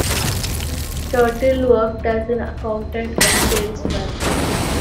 Thurtle worked as an accountant and salesman.